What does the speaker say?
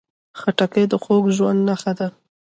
خټکی د خوږ ژوند نښه ده.